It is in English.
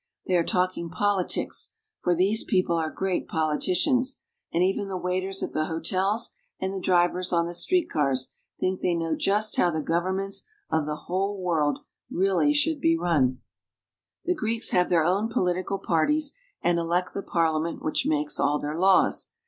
They are talking politics ; for these people are great politicians, and even the waiters at the hotels and the drivers on the street cars think they know just how the governments of the whole world should be run. The Greeks have their own political parties, and elect the Parliament which makes all their laws.